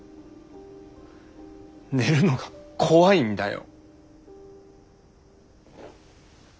寝るのが怖いんだよ。